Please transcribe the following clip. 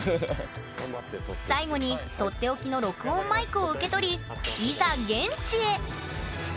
最後に取って置きの録音マイクを受け取りいざ